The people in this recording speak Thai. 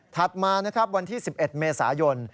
ถัดมาวันที่๑๑เมษายน